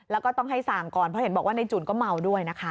แล้วก็ต้องให้สั่งก่อนเพราะเห็นบอกว่าในจุ่นก็เมาด้วยนะคะ